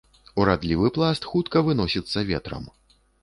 Урадлівы пласт хутка выносіцца ветрам.